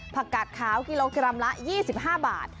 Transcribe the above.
ผักกาดขาวกิโลกรัมละ๒๕บาท